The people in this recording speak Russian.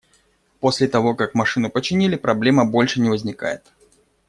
После того, как машину починили, проблема больше не возникает.